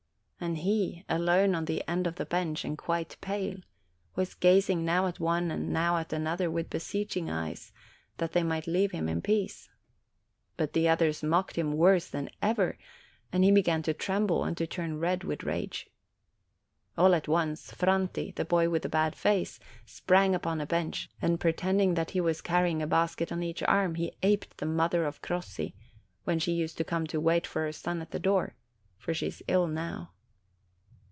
And he, alone on the end of the bench, and quite pale, was gazing now at one and now at another with beseeching eyes, that they might leave him in peace. But the others mocked him worse than ever, and he began to tremble and to turn red with rage. All at once, Franti, the boy with the bad face, sprang upon a bench, and pretending that he was carry ing a basket on each arm, he aped the mother of Crossi, when she used to come to wait for her son at the door ; for she is ill now.